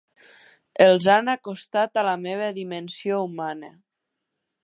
Els han acostat a la meva dimensió humana.